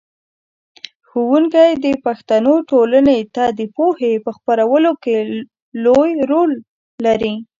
ښوونکی د پښتنو ټولنې ته د پوهې په خپرولو کې لوی رول لري.